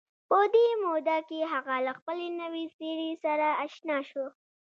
په دې موده کې هغه له خپلې نوې څېرې سره اشنا شو